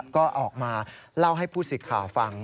ก็ออกมาเล่าให้ผู้สิทธิ์ข่าวฟัง